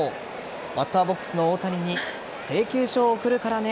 バッターボックスの大谷に請求書を送るからね！